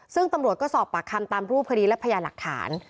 ซึ่งตำรวจก็สอบปากคำตามรูปคดีและพยานหลักฐาน